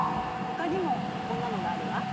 ほかにもこんなのがあるわ。